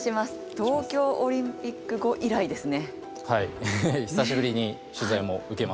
東京オリンピック後以来ですね。